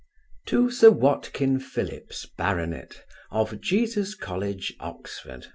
To Sir WATKIN PHILLIPS, Bart. of Jesus college, Oxon.